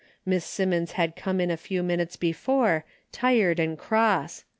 Miss Simmons had come in a few moments be fore, tired and cross.